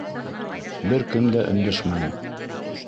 Бер кем дә өндәшмәне.